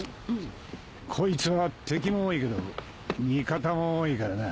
こいつは敵も多いけど味方も多いからな。